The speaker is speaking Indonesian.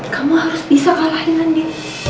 kamu harus bisa kalahin andi